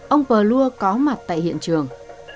ông pờ lua có mặt tại hiện trường